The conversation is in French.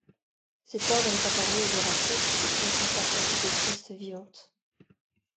Cet ordre est apparu au Jurassique, et compte encore quelques espèces vivantes.